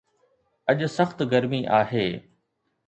اڄ سخت گرمي آهي